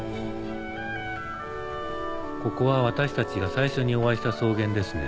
ここは私たちが最初にお会いした草原ですね。